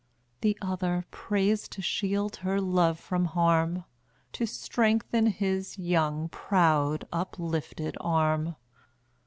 The other prays to shield her love from harm, To strengthen his young, proud uplifted arm.